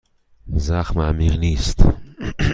زخم عمیق نیست.